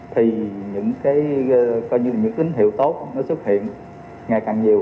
thì những kính hiệu tốt nó xuất hiện ngày càng nhiều